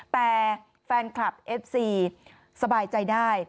แต่แฟนคลับเอฟซีสบายใจได้